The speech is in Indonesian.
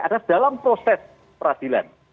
adalah dalam proses perhasilan